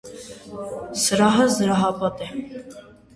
Սրահը զրահապատ է։